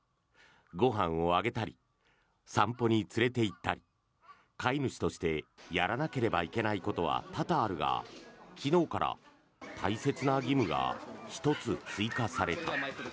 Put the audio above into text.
ご飯をあげたり散歩に連れていったり飼い主としてやらなければいけないことは多々あるが昨日から大切な義務が１つ追加された。